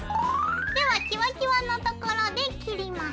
ではキワキワのところで切ります。